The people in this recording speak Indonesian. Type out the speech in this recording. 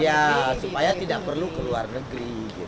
ya supaya tidak perlu ke luar negeri